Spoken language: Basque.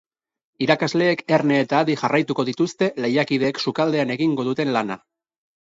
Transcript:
Irakasleek erne eta adi jarraituko dituzte lehiakideek sukaldean egingo duten lana.